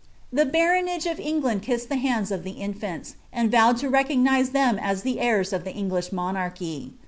The laroiutgi! of England kissed the handa of the infants, and vowed to lecog n»e ihinn la tlie heirs of the English monarchy.